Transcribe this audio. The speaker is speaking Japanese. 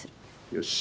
よし。